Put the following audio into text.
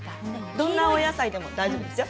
どんな野菜でも大丈夫ですよ。